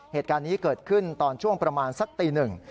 เหตุการณ์นี้เกิดขึ้นตอนช่วงประมาณสักตีหนึ่ง